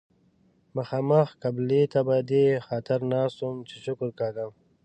مخامخ قبلې ته په دې خاطر ناست وم چې شکر کاږم.